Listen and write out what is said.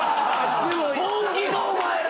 「本気か⁉お前ら！」